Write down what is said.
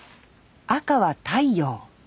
赤は太陽。